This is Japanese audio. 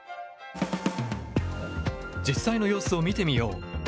実際の様子を見てみよう。